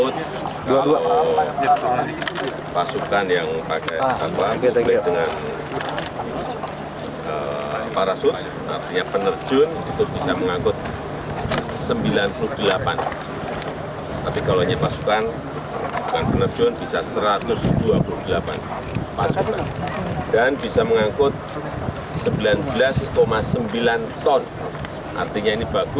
sembilan belas sembilan ton artinya ini bagus untuk operasi militer maupun non militer untuk bencana alam juga bisa